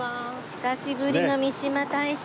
久しぶりの三嶋大社。